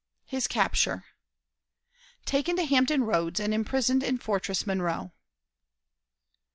His Capture. Taken to Hampton Roads, and imprisoned in Fortress Monroe.